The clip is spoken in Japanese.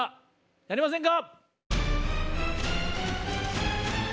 やりませんか？